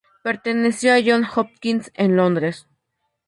Perteneció a John Hopkins, en Londres.